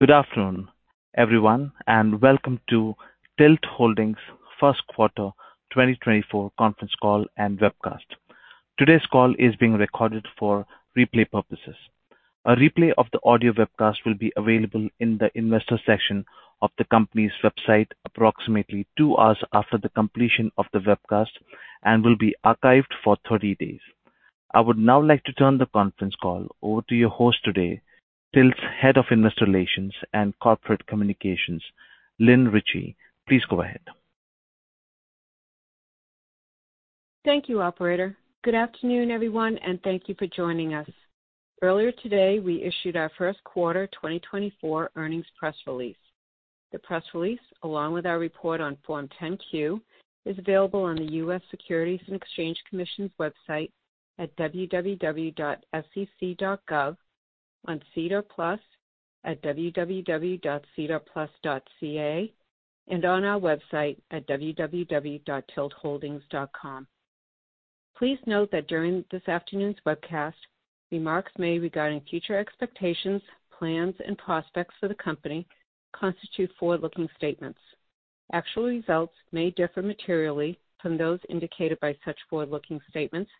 Good afternoon, everyone, and welcome to TILT Holdings' First Quarter 2024 Conference Call and Webcast. Today's call is being recorded for replay purposes. A replay of the audio webcast will be available in the Investor section of the company's website approximately two hours after the completion of the webcast and will be archived for 30 days. I would now like to turn the conference call over to your host today, TILT's Head of Investor Relations and Corporate Communications, Lynn Ricci. Please go ahead. Thank you, operator. Good afternoon, everyone, and thank you for joining us. Earlier today, we issued our first quarter 2024 earnings press release. The press release, along with our report on Form 10-Q, is available on the U.S. Securities and Exchange Commission's website at www.sec.gov, on SEDAR+ at www.sedarplus.ca, and on our website at www.tiltholdings.com. Please note that during this afternoon's webcast, remarks made regarding future expectations, plans, and prospects for the company constitute forward-looking statements. Actual results may differ materially from those indicated by such forward-looking statements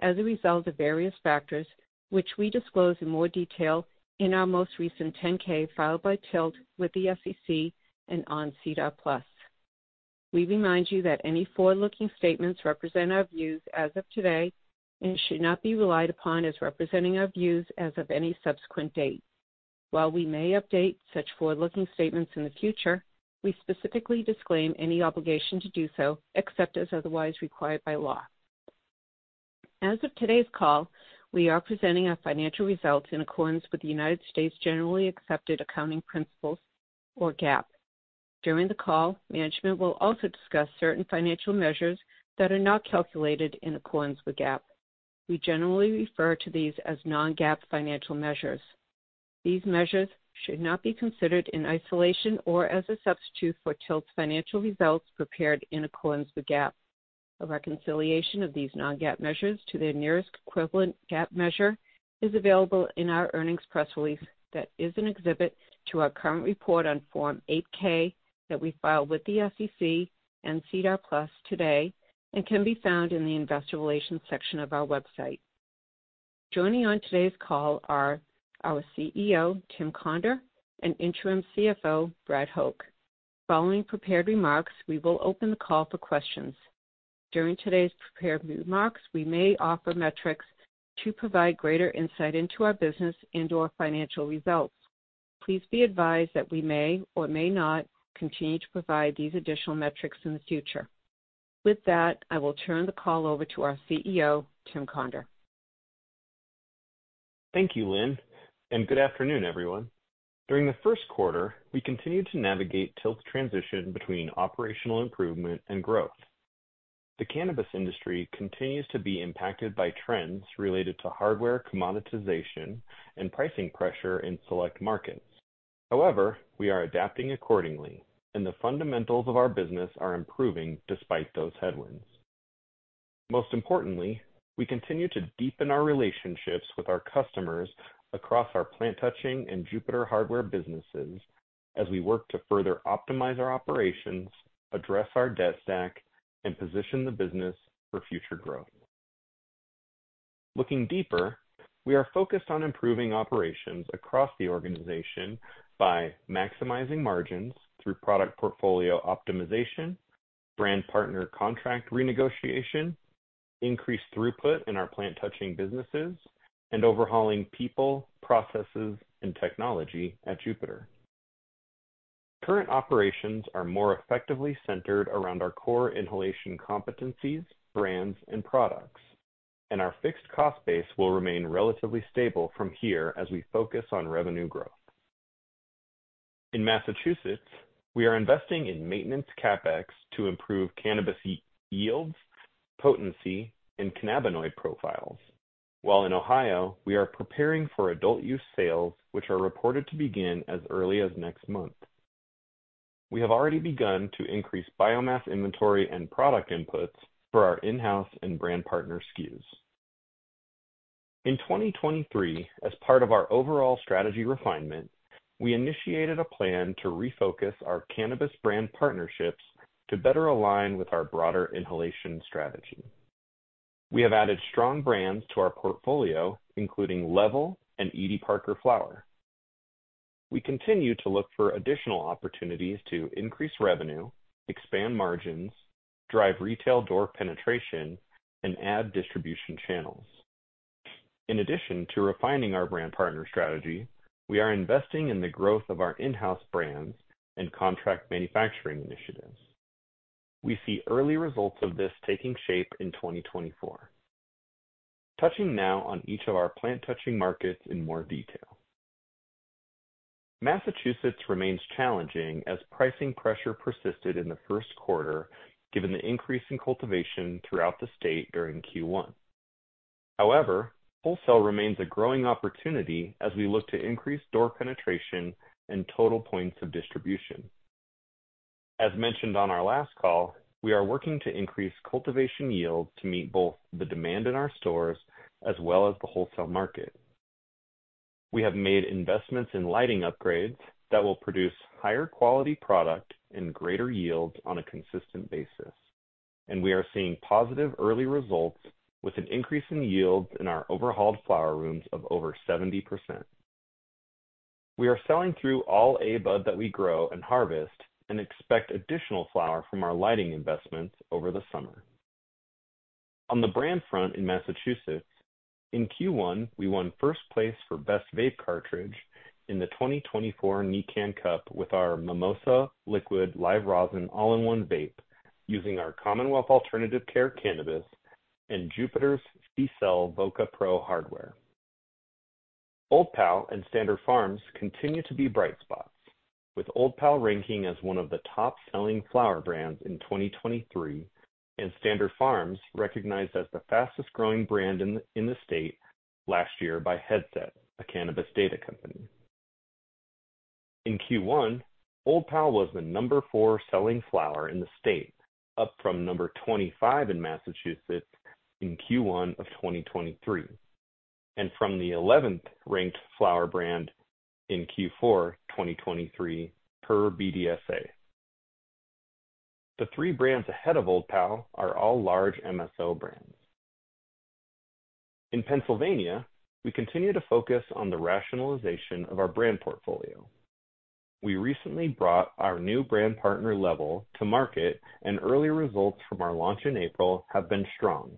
as a result of various factors, which we disclose in more detail in our most recent 10-K filed by TILT with the SEC and on SEDAR+. We remind you that any forward-looking statements represent our views as of today and should not be relied upon as representing our views as of any subsequent date. While we may update such forward-looking statements in the future, we specifically disclaim any obligation to do so, except as otherwise required by law. As of today's call, we are presenting our financial results in accordance with the United States generally accepted accounting principles, or GAAP. During the call, management will also discuss certain financial measures that are not calculated in accordance with GAAP. We generally refer to these as non-GAAP financial measures. These measures should not be considered in isolation or as a substitute for TILT's financial results prepared in accordance with GAAP. A reconciliation of these non-GAAP measures to their nearest equivalent GAAP measure is available in our earnings press release that is an exhibit to our current report on Form 8-K that we filed with the SEC and SEDAR+ today, and can be found in the investor relations section of our website. Joining on today's call are our CEO, Tim Conder, and Interim CFO, Brad Hoch. Following prepared remarks, we will open the call for questions. During today's prepared remarks, we may offer metrics to provide greater insight into our business and/or financial results. Please be advised that we may or may not continue to provide these additional metrics in the future. With that, I will turn the call over to our CEO, Tim Conder. Thank you, Lynn, and good afternoon, everyone. During the first quarter, we continued to navigate TILT's transition between operational improvement and growth. The cannabis industry continues to be impacted by trends related to hardware commoditization and pricing pressure in select markets. However, we are adapting accordingly, and the fundamentals of our business are improving despite those headwinds. Most importantly, we continue to deepen our relationships with our customers across our plant-touching and Jupiter hardware businesses as we work to further optimize our operations, address our debt stack, and position the business for future growth. Looking deeper, we are focused on improving operations across the organization by maximizing margins through product portfolio optimization, brand partner contract renegotiation, increased throughput in our plant-touching businesses, and overhauling people, processes, and technology at Jupiter. Current operations are more effectively centered around our core inhalation competencies, brands, and products, and our fixed cost base will remain relatively stable from here as we focus on revenue growth. In Massachusetts, we are investing in maintenance CapEx to improve cannabis yields, potency, and cannabinoid profiles, while in Ohio, we are preparing for adult use sales, which are reported to begin as early as next month. We have already begun to increase biomass inventory and product inputs for our in-house and brand partner SKUs. In 2023, as part of our overall strategy refinement, we initiated a plan to refocus our cannabis brand partnerships to better align with our broader inhalation strategy. We have added strong brands to our portfolio, including LEVEL and Edie Parker Flower. We continue to look for additional opportunities to increase revenue, expand margins, drive retail door penetration, and add distribution channels. In addition to refining our brand partner strategy, we are investing in the growth of our in-house brands and contract manufacturing initiatives. We see early results of this taking shape in 2024. Touching now on each of our plant-touching markets in more detail. Massachusetts remains challenging as pricing pressure persisted in the first quarter, given the increase in cultivation throughout the state during Q1. However, wholesale remains a growing opportunity as we look to increase door penetration and total points of distribution. As mentioned on our last call, we are working to increase cultivation yield to meet both the demand in our stores as well as the wholesale market. We have made investments in lighting upgrades that will produce higher quality product and greater yields on a consistent basis, and we are seeing positive early results, with an increase in yields in our overhauled flower rooms of over 70%. We are selling through all the bud that we grow and harvest and expect additional flower from our lighting investments over the summer. On the brand front in Massachusetts, in Q1, we won first place for Best Vape Cartridge in the 2024 NECANN Cup with our Mimosa Liquid Live Resin All-in-One Vape, using our Commonwealth Alternative Care cannabis and Jupiter's CCELL VOCA Pro hardware. Old Pal and Standard Farms continue to be bright spots, with Old Pal ranking as one of the top-selling flower brands in 2023, and Standard Farms recognized as the fastest-growing brand in the state last year by Headset, a cannabis data company. In Q1, Old Pal was the number four selling flower in the state, up from number 25 in Massachusetts in Q1 of 2023, and from the 11th-ranked flower brand in Q4 2023, per BDSA. The three brands ahead of Old Pal are all large MSO brands. In Pennsylvania, we continue to focus on the rationalization of our brand portfolio. We recently brought our new brand partner, LEVEL, to market, and early results from our launch in April have been strong.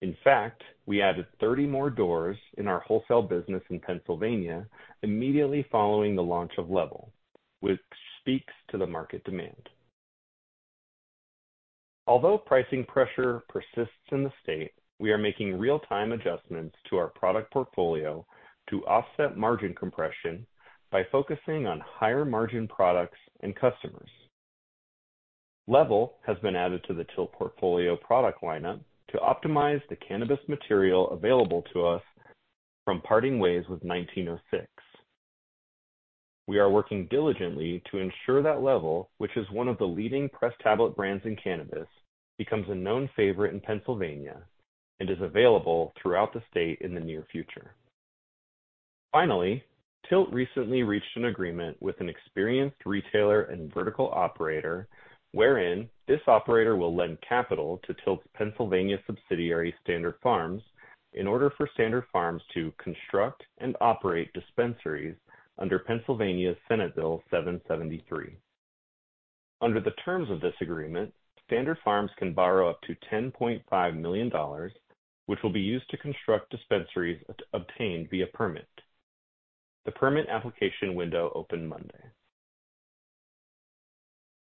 In fact, we added 30 more doors in our wholesale business in Pennsylvania immediately following the launch of LEVEL, which speaks to the market demand. Although pricing pressure persists in the state, we are making real-time adjustments to our product portfolio to offset margin compression by focusing on higher-margin products and customers. LEVEL has been added to the TILT portfolio product lineup to optimize the cannabis material available to us from parting ways with 1906. We are working diligently to ensure that LEVEL, which is one of the leading pressed tablet brands in cannabis, becomes a known favorite in Pennsylvania and is available throughout the state in the near future. Finally, TILT recently reached an agreement with an experienced retailer and vertical operator, wherein this operator will lend capital to TILT's Pennsylvania subsidiary, Standard Farms, in order for Standard Farms to construct and operate dispensaries under Pennsylvania Senate Bill 773. Under the terms of this agreement, Standard Farms can borrow up to $10.5 million, which will be used to construct dispensaries obtained via permit. The permit application window opened Monday.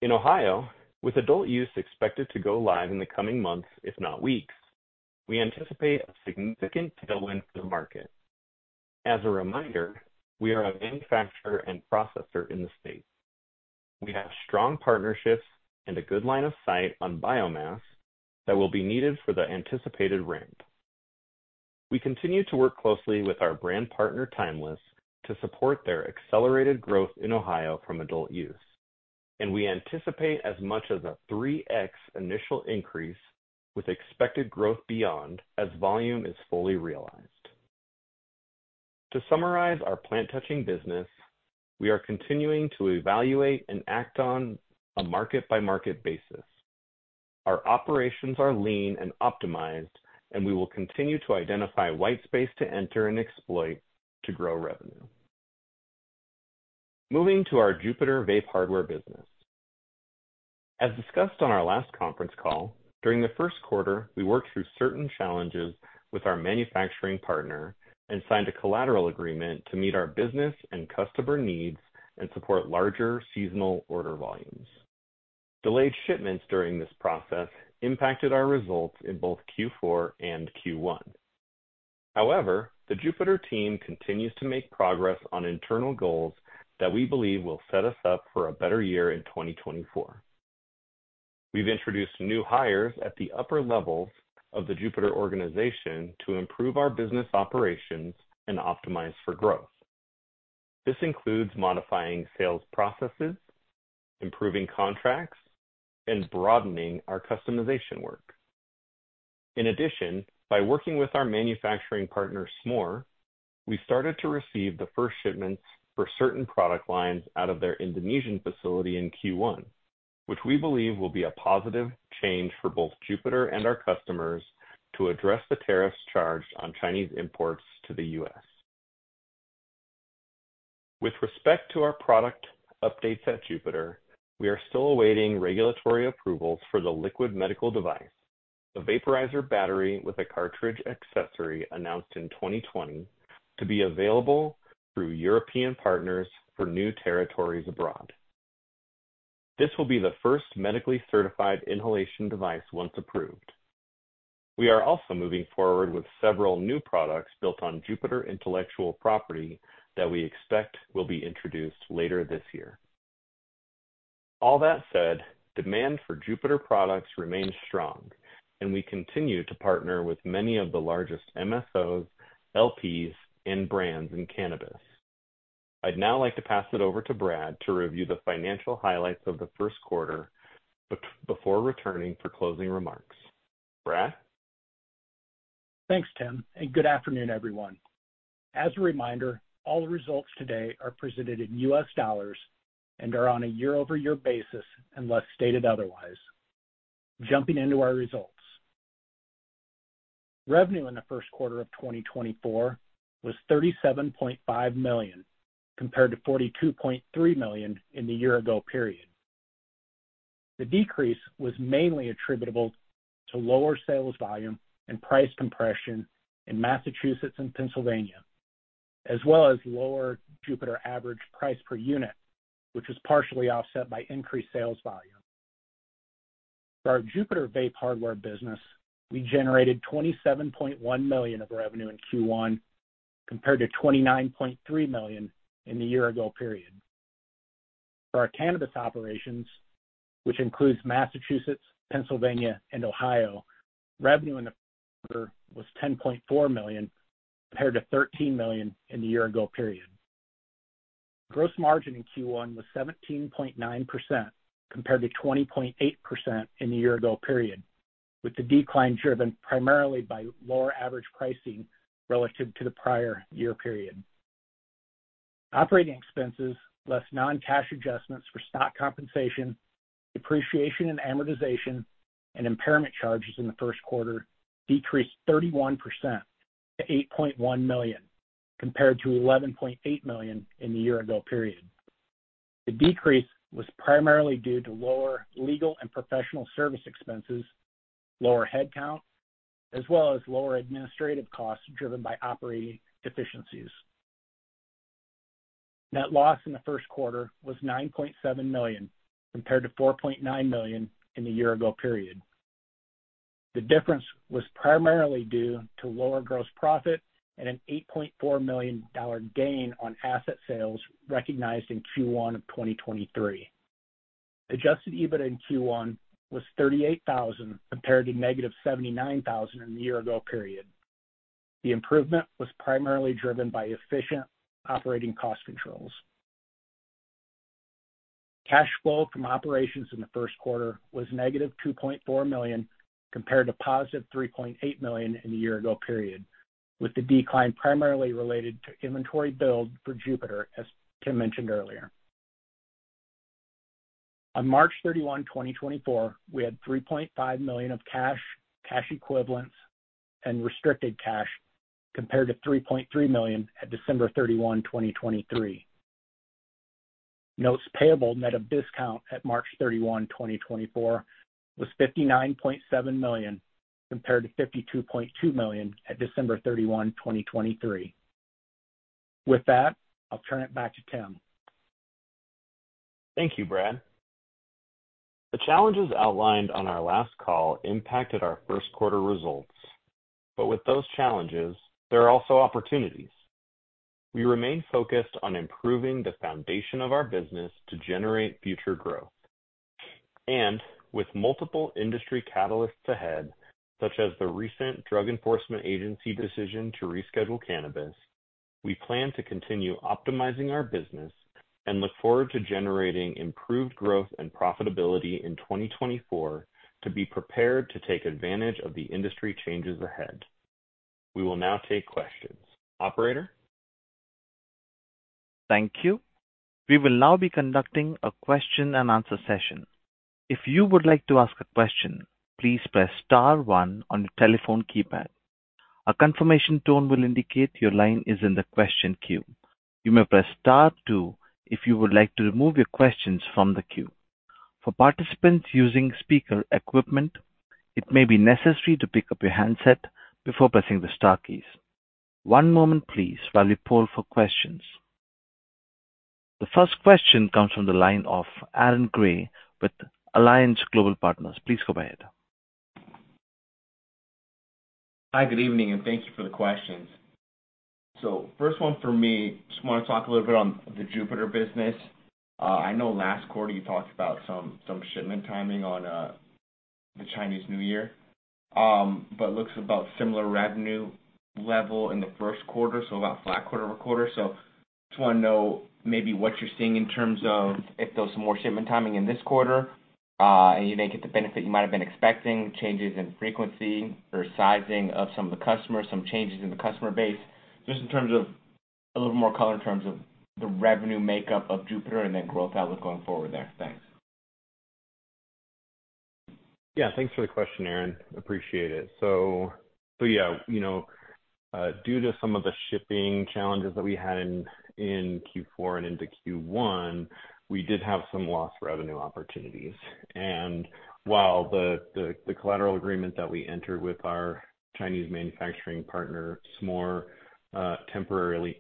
In Ohio, with adult use expected to go live in the coming months, if not weeks, we anticipate a significant tailwind for the market. As a reminder, we are a manufacturer and processor in the state. We have strong partnerships and a good line of sight on biomass that will be needed for the anticipated ramp. We continue to work closely with our brand partner, Timeless, to support their accelerated growth in Ohio from adult use, and we anticipate as much as a 3x initial increase, with expected growth beyond as volume is fully realized. To summarize our plant-touching business, we are continuing to evaluate and act on a market-by-market basis. Our operations are lean and optimized, and we will continue to identify white space to enter and exploit to grow revenue. Moving to our Jupiter vape hardware business. As discussed on our last conference call, during the first quarter, we worked through certain challenges with our manufacturing partner and signed a collateral agreement to meet our business and customer needs and support larger seasonal order volumes. Delayed shipments during this process impacted our results in both Q4 and Q1. However, the Jupiter team continues to make progress on internal goals that we believe will set us up for a better year in 2024. We've introduced new hires at the upper levels of the Jupiter organization to improve our business operations and optimize for growth. This includes modifying sales processes, improving contracts, and broadening our customization work. In addition, by working with our manufacturing partner, Smoore, we started to receive the first shipments for certain product lines out of their Indonesian facility in Q1, which we believe will be a positive change for both Jupiter and our customers to address the tariffs charged on Chinese imports to the U.S. With respect to our product updates at Jupiter, we are still awaiting regulatory approvals for the liquid medical device, a vaporizer battery with a cartridge accessory announced in 2020 to be available through European partners for new territories abroad. This will be the first medically certified inhalation device once approved. We are also moving forward with several new products built on Jupiter intellectual property that we expect will be introduced later this year. All that said, demand for Jupiter products remains strong, and we continue to partner with many of the largest MSOs, LPs, and brands in cannabis. I'd now like to pass it over to Brad to review the financial highlights of the first quarter, before returning for closing remarks. Brad? Thanks, Tim, and good afternoon, everyone. As a reminder, all the results today are presented in U.S. dollars and are on a year-over-year basis, unless stated otherwise. Jumping into our results. Revenue in the first quarter of 2024 was $37.5 million, compared to $42.3 million in the year ago period. The decrease was mainly attributable to lower sales volume and price compression in Massachusetts and Pennsylvania, as well as lower Jupiter average price per unit, which was partially offset by increased sales volume. For our Jupiter Vape Hardware business, we generated $27.1 million of revenue in Q1, compared to $29.3 million in the year ago period. For our cannabis operations, which includes Massachusetts, Pennsylvania, and Ohio, revenue in the quarter was $10.4 million, compared to $13 million in the year ago period. Gross margin in Q1 was 17.9%, compared to 20.8% in the year ago period, with the decline driven primarily by lower average pricing relative to the prior year period. Operating expenses, less non-cash adjustments for stock compensation, depreciation and amortization, and impairment charges in the first quarter decreased 31% to $8.1 million, compared to $11.8 million in the year ago period. The decrease was primarily due to lower legal and professional service expenses, lower headcount, as well as lower administrative costs driven by operating efficiencies. Net loss in the first quarter was $9.7 million, compared to $4.9 million in the year ago period. The difference was primarily due to lower gross profit and an $8.4 million gain on asset sales recognized in Q1 of 2023. Adjusted EBITDA in Q1 was $38,000, compared to negative $79,000 in the year ago period. The improvement was primarily driven by efficient operating cost controls. Cash flow from operations in the first quarter was negative $2.4 million, compared to positive $3.8 million in the year ago period, with the decline primarily related to inventory build for Jupiter, as Tim mentioned earlier. On March 31, 2024, we had $3.5 million of cash, cash equivalents, and restricted cash, compared to $3.3 million at December 31, 2023. Notes payable net of discount at March 31, 2024, was $59.7 million, compared to $52.2 million at December 31, 2023. With that, I'll turn it back to Tim. Thank you, Brad. The challenges outlined on our last call impacted our first quarter results, but with those challenges, there are also opportunities. We remain focused on improving the foundation of our business to generate future growth. With multiple industry catalysts ahead, such as the recent Drug Enforcement Agency decision to reschedule cannabis, we plan to continue optimizing our business and look forward to generating improved growth and profitability in 2024, to be prepared to take advantage of the industry changes ahead. We will now take questions. Operator? Thank you. We will now be conducting a question and answer session. If you would like to ask a question, please press star one on your telephone keypad. A confirmation tone will indicate your line is in the question queue. You may press star two if you would like to remove your questions from the queue. For participants using speaker equipment, it may be necessary to pick up your handset before pressing the star keys. One moment please while we poll for questions. The first question comes from the line of Aaron Grey with Alliance Global Partners. Please go ahead. Hi, good evening, and thank you for the questions. So first one for me, just want to talk a little bit on the Jupiter business. I know last quarter you talked about some shipment timing on the Chinese New Year, but looks about similar revenue level in the first quarter, so about flat quarter-over-quarter. So just want to know maybe what you're seeing in terms of if there was some more shipment timing in this quarter, and you didn't get the benefit you might have been expecting, changes in frequency or sizing of some of the customers, some changes in the customer base, just in terms of a little more color in terms of the revenue makeup of Jupiter and then growth outlook going forward there. Thanks. Yeah, thanks for the question, Aaron. Appreciate it. So yeah, you know, due to some of the shipping challenges that we had in Q4 and into Q1, we did have some lost revenue opportunities. And while the collateral agreement that we entered with our Chinese manufacturing partner, Smoore, temporarily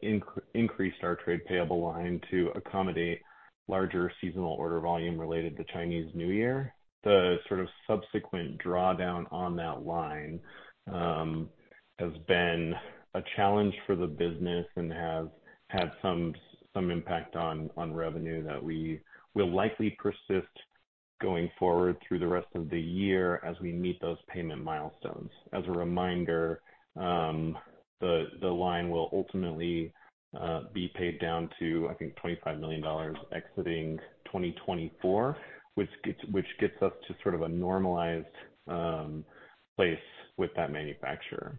increased our trade payable line to accommodate larger seasonal order volume related to Chinese New Year, the sort of subsequent drawdown on that line has been a challenge for the business and has had some impact on revenue that we will likely persist going forward through the rest of the year as we meet those payment milestones. As a reminder, the line will ultimately be paid down to, I think, $25 million exiting 2024, which gets us to sort of a normalized place with that manufacturer.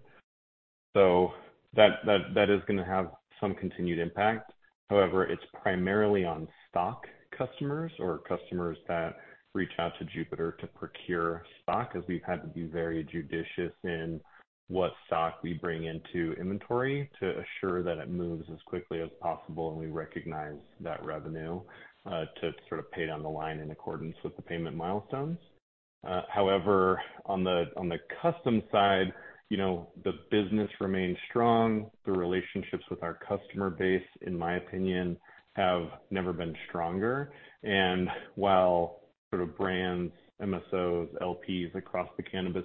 So that is gonna have some continued impact. However, it's primarily on stock customers or customers that reach out to Jupiter to procure stock, as we've had to be very judicious in what stock we bring into inventory to assure that it moves as quickly as possible, and we recognize that revenue to sort of pay down the line in accordance with the payment milestones. However, on the custom side, you know, the business remains strong. The relationships with our customer base, in my opinion, have never been stronger. While sort of brands, MSOs, LPs across the cannabis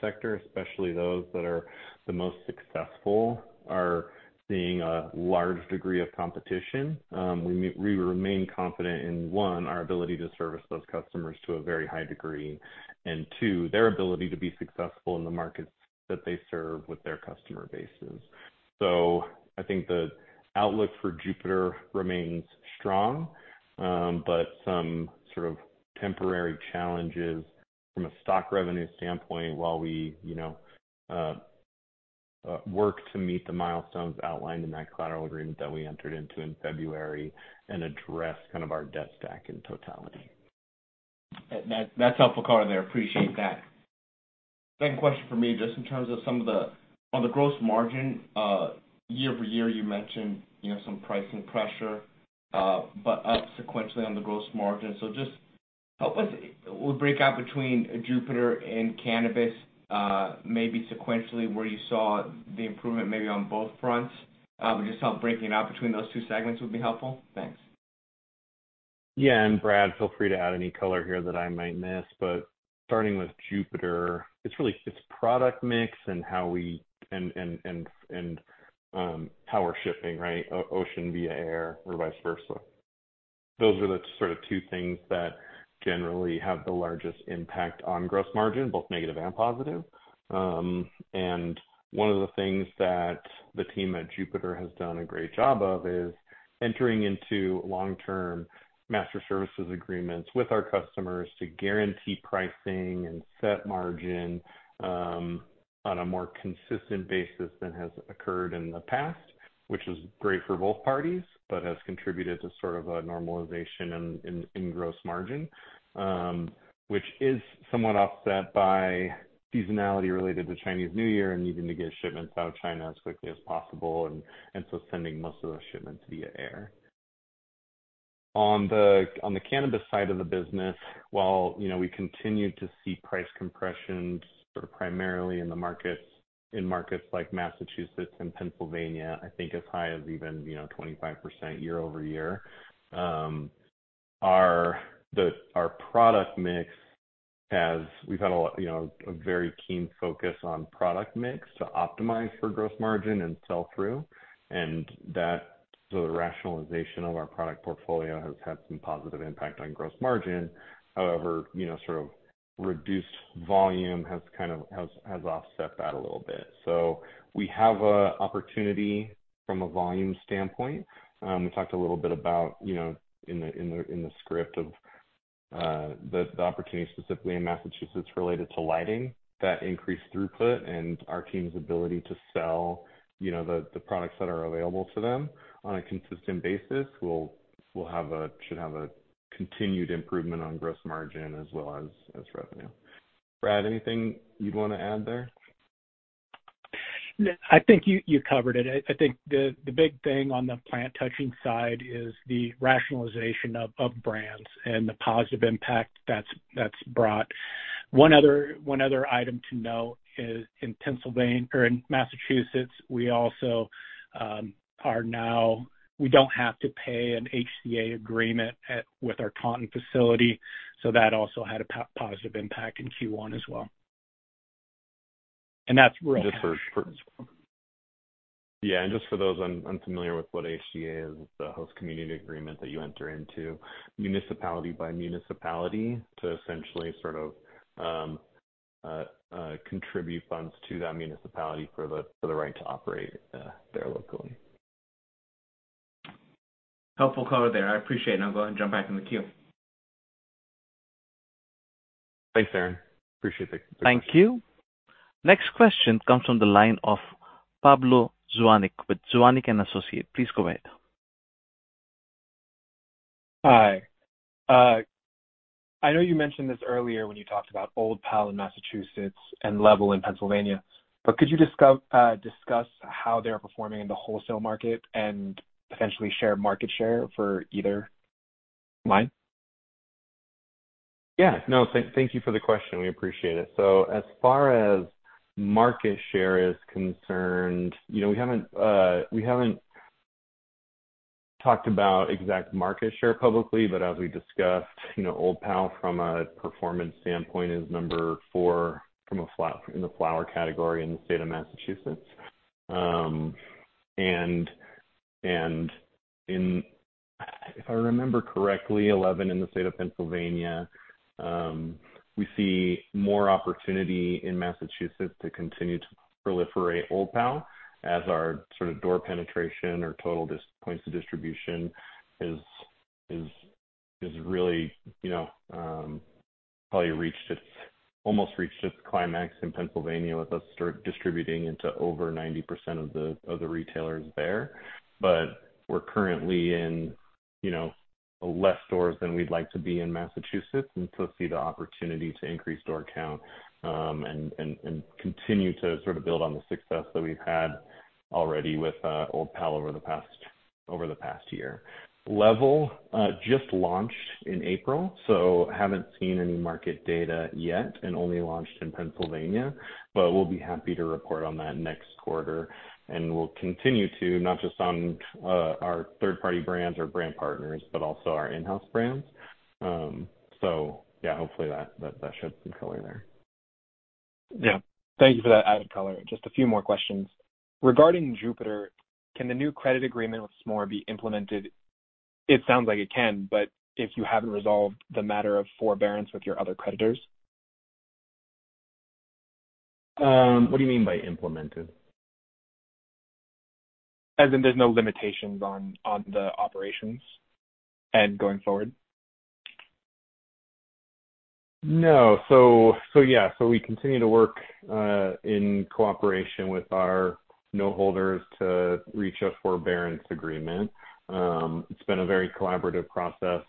sector, especially those that are the most successful, are seeing a large degree of competition, we remain confident in, one, our ability to service those customers to a very high degree, and two, their ability to be successful in the markets that they serve with their customer bases. So I think the outlook for Jupiter remains strong, but some sort of temporary challenges from a stock revenue standpoint while we, you know, work to meet the milestones outlined in that collateral agreement that we entered into in February and address kind of our debt stack in totality. That's helpful color there. Appreciate that. Second question for me, just in terms of some of the... On the gross margin, year over year, you mentioned, you know, some pricing pressure, but up sequentially on the gross margin. So just help us-- we'll break out between Jupiter and cannabis, maybe sequentially, where you saw the improvement maybe on both fronts. We just thought breaking it out between those two segments would be helpful. Thanks. Yeah, and Brad, feel free to add any color here that I might miss. But starting with Jupiter, it's really, it's product mix and how we're shipping, right? Ocean via air or vice versa. Those are the sort of two things that generally have the largest impact on gross margin, both negative and positive. And one of the things that the team at Jupiter has done a great job of is entering into long-term master services agreements with our customers to guarantee pricing and set margin, on a more consistent basis than has occurred in the past, which is great for both parties, but has contributed to sort of a normalization in gross margin. Which is somewhat offset by seasonality related to Chinese New Year and needing to get shipments out of China as quickly as possible and so sending most of those shipments via air. On the cannabis side of the business, while, you know, we continue to see price compression sort of primarily in the markets, in markets like Massachusetts and Pennsylvania, I think as high as even, you know, 25% year-over-year. Our product mix has—we've had a lot, you know, a very keen focus on product mix to optimize for gross margin and sell through, and that, so the rationalization of our product portfolio has had some positive impact on gross margin. However, you know, sort of reduced volume has kind of offset that a little bit. So we have an opportunity from a volume standpoint. We talked a little bit about, you know, in the script of the opportunity specifically in Massachusetts related to lighting, that increased throughput and our team's ability to sell, you know, the products that are available to them on a consistent basis will have a, should have a continued improvement on gross margin as well as revenue. Brad, anything you'd want to add there? I think you covered it. I think the big thing on the plant touching side is the rationalization of brands and the positive impact that's brought. One other item to note is in Pennsylvania or in Massachusetts, we also are now. We don't have to pay an HCA agreement with our Taunton facility, so that also had a positive impact in Q1 as well. And that's real. Just for those unfamiliar with what HCA is, it's the host community agreement that you enter into municipality by municipality to essentially sort of contribute funds to that municipality for the right to operate there locally. Helpful color there. I appreciate it. Now go ahead and jump back in the queue. Thanks, Aaron. Appreciate it. Thank you. Next question comes from the line of Pablo Zuanic with Zuanic & Associates. Please go ahead. Hi. I know you mentioned this earlier when you talked about Old Pal in Massachusetts and LEVEL in Pennsylvania, but could you discuss how they are performing in the wholesale market and potentially share market share for either? Mine? Yeah. No, thank you for the question. We appreciate it. So as far as market share is concerned, you know, we haven't talked about exact market share publicly, but as we discussed, you know, Old Pal, from a performance standpoint, is number four from a flower, in the flower category in the state of Massachusetts. And in, if I remember correctly, 11 in the state of Pennsylvania. We see more opportunity in Massachusetts to continue to proliferate Old Pal as our sort of door penetration or total points of distribution is really, you know, probably almost reached its climax in Pennsylvania, with us start distributing into over 90% of the retailers there. But we're currently in, you know, less stores than we'd like to be in Massachusetts, and so see the opportunity to increase store count, and continue to sort of build on the success that we've had already with Old Pal over the past year. LEVEL just launched in April, so haven't seen any market data yet and only launched in Pennsylvania, but we'll be happy to report on that next quarter. And we'll continue to, not just on our third-party brands or brand partners, but also our in-house brands. So yeah, hopefully that sheds some color there. Yeah. Thank you for that added color. Just a few more questions. Regarding Jupiter, can the new credit agreement with Smoore be implemented? It sounds like it can, but if you haven't resolved the matter of forbearance with your other creditors. What do you mean by implemented? As in, there's no limitations on the operations and going forward. No. So, yeah, so we continue to work in cooperation with our note holders to reach a forbearance agreement. It's been a very collaborative process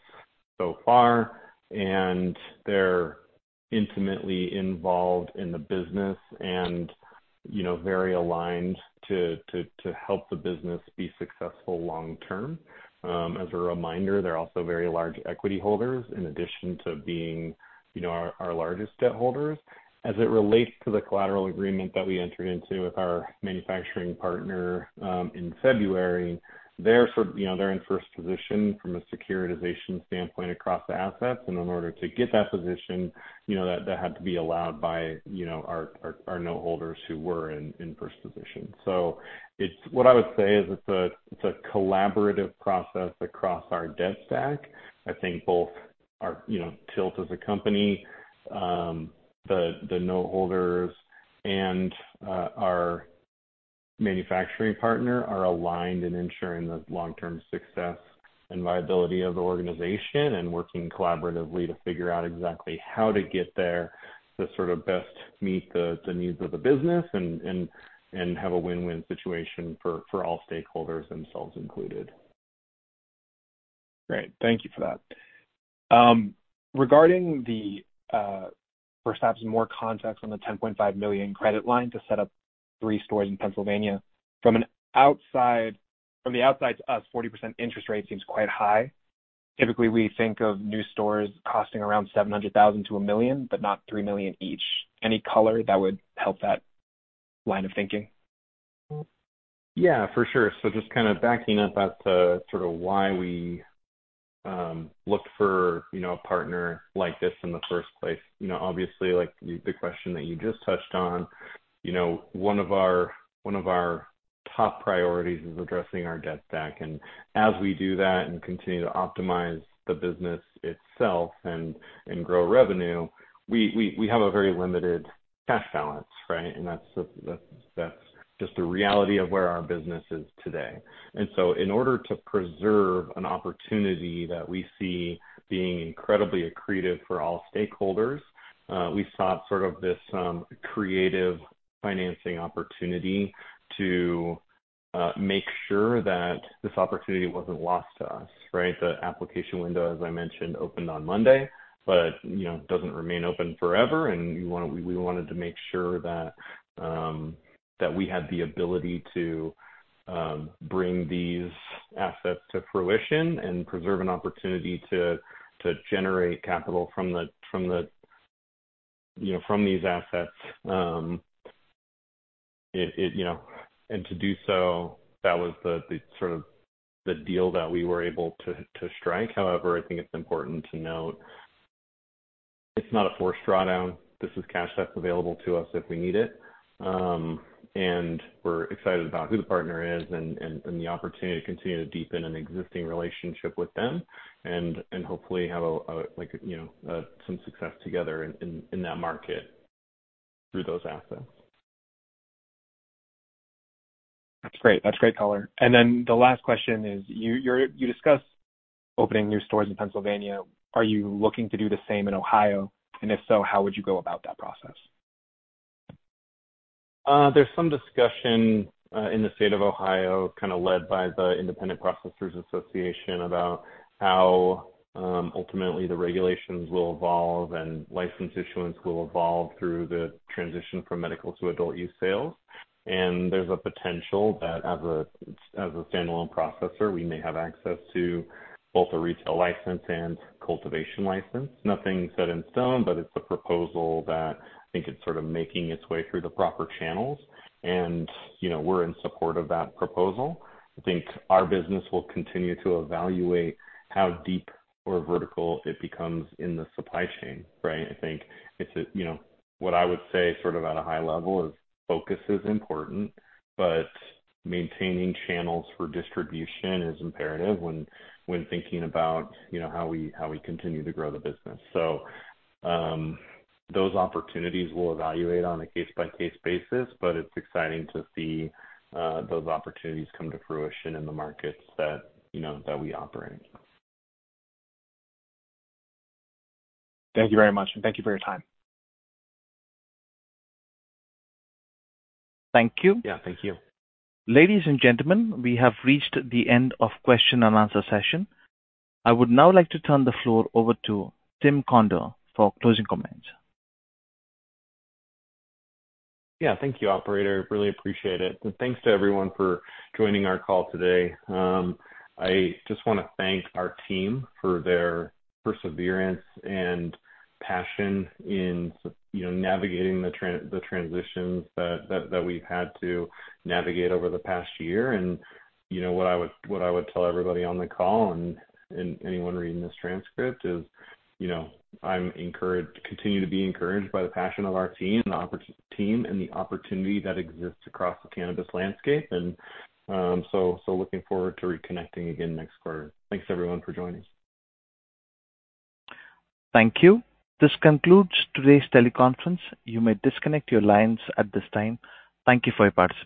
so far, and they're intimately involved in the business and, you know, very aligned to help the business be successful long term. As a reminder, they're also very large equity holders, in addition to being, you know, our largest debt holders. As it relates to the collateral agreement that we entered into with our manufacturing partner in February, they're sort of... You know, they're in first position from a securitization standpoint across the assets, and in order to get that position, you know, that had to be allowed by, you know, our note holders who were in first position. What I would say is, it's a collaborative process across our debt stack. I think both our, you know, TILT as a company, the note holders and our manufacturing partner are aligned in ensuring the long-term success and viability of the organization and working collaboratively to figure out exactly how to get there to sort of best meet the needs of the business and have a win-win situation for all stakeholders, themselves included. Great. Thank you for that. Regarding the, perhaps more context on the $10.5 million credit line to set up three stores in Pennsylvania. From an outside, from the outside to us, 40% interest rate seems quite high. Typically, we think of new stores costing around $700,000-$1 million, but not $3 million each. Any color that would help that line of thinking? Yeah, for sure. So just kind of backing up as to sort of why we looked for, you know, a partner like this in the first place. You know, obviously, like the question that you just touched on, you know, one of our top priorities is addressing our debt stack, and as we do that and continue to optimize the business itself and grow revenue, we have a very limited cash balance, right? And that's just the reality of where our business is today. And so in order to preserve an opportunity that we see being incredibly accretive for all stakeholders, we sought sort of this creative financing opportunity to make sure that this opportunity wasn't lost to us, right? The application window, as I mentioned, opened on Monday, but you know doesn't remain open forever, and we wanna, we wanted to make sure that that we had the ability to bring these assets to fruition and preserve an opportunity to generate capital from the you know from these assets. You know, and to do so, that was the sort of deal that we were able to strike. However, I think it's important to note. It's not a forced drawdown. This is cash that's available to us if we need it. And we're excited about who the partner is and the opportunity to continue to deepen an existing relationship with them and hopefully have a, like, you know, some success together in that market through those assets. That's great. That's great color. And then the last question is, you discussed opening new stores in Pennsylvania. Are you looking to do the same in Ohio? And if so, how would you go about that process? There's some discussion in the state of Ohio, kind of led by the Independent Processors Association, about how ultimately the regulations will evolve and license issuance will evolve through the transition from medical to adult-use sales. There's a potential that as a standalone processor, we may have access to both a retail license and cultivation license. Nothing set in stone, but it's a proposal that I think it's sort of making its way through the proper channels, and, you know, we're in support of that proposal. I think our business will continue to evaluate how deep or vertical it becomes in the supply chain, right? I think it's, you know, what I would say, sort of at a high level, is focus is important, but maintaining channels for distribution is imperative when, when thinking about, you know, how we, how we continue to grow the business. So, those opportunities we'll evaluate on a case-by-case basis, but it's exciting to see, those opportunities come to fruition in the markets that, you know, that we operate. Thank you very much, and thank you for your time. Thank you. Yeah, thank you. Ladies and gentlemen, we have reached the end of question and answer session. I would now like to turn the floor over to Tim Conder for closing comments. Yeah, thank you, operator. Really appreciate it. And thanks to everyone for joining our call today. I just wanna thank our team for their perseverance and passion in, you know, navigating the transitions that we've had to navigate over the past year. And, you know, what I would tell everybody on the call and anyone reading this transcript is, you know, I'm encouraged... continue to be encouraged by the passion of our team and the opportunity that exists across the cannabis landscape, and so looking forward to reconnecting again next quarter. Thanks, everyone, for joining. Thank you. This concludes today's teleconference. You may disconnect your lines at this time. Thank you for your participation.